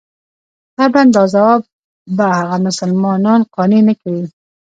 طبعاً دا ځواب به هغه مسلمانان قانع نه کړي.